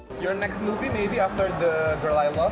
film berikutnya mungkin setelah the girl i love